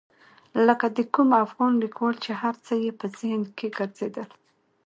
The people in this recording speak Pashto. لکه د کوم افغان لیکوال چې هر څه یې په ذهن کې ګرځېدل.